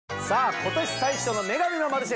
今年最初の『女神のマルシェ』